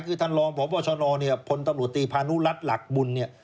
คือท่านรองบ่อบอชนพลตำรวจตีภานุรัตน์หลักบุญ